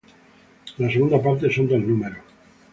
La segunda parte son dos números.